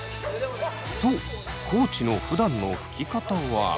そう地のふだんのふき方は。